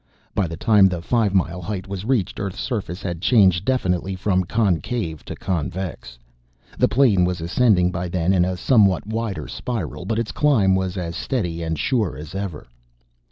By the time the five mile height was reached Earth's surface had changed definitely from concave to convex. The plane was ascending by then in a somewhat wider spiral, but its climb was as steady and sure as ever.